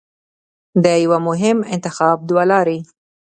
د یوه مهم انتخاب دوه لارې